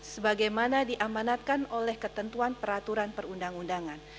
sebagaimana diamanatkan oleh ketentuan peraturan perundang undangan